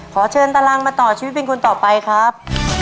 ขอเชิญตารังมาต่อชีวิตเป็นคนต่อไปครับ